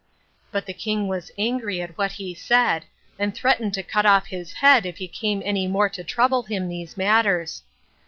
But the king angry at what he said, and threatened to cut off his head if he came any more to trouble him these matters.